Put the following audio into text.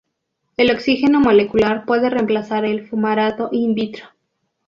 El oxígeno molecular puede reemplazar al fumarato "in vitro".